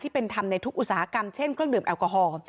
เป็นทำในทุกอุตสาหกรรมเช่นเครื่องดื่มแอลกอฮอล์